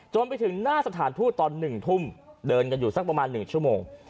ไปถึงหน้าสถานทูตตอน๑ทุ่มเดินกันอยู่สักประมาณ๑ชั่วโมง